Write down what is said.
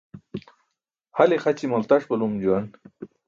Hal ixaći maltaṣ balum juwan.